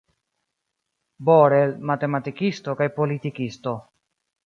Borel, matematikisto kaj politikisto.